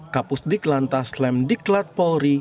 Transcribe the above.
kapus di kelantas slam di kelat polri